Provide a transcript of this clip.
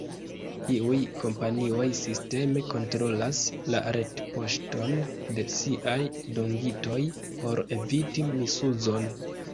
Iuj kompanioj sisteme kontrolas la retpoŝton de siaj dungitoj por eviti misuzon.